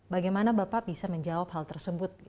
bagaimana bapak bisa menjawab hal tersebut